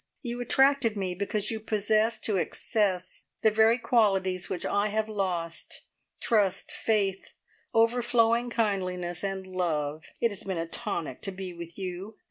You attracted me because you possess to excess the very qualities which I have lost trust, faith, overflowing kindliness and love. It has been a tonic to be with you.